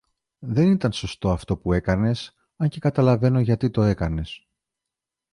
Δεν ήταν σωστό αυτό που έκανες, αν και καταλαβαίνω γιατί το έκανες.